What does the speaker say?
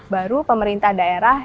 baru pemerintah daerah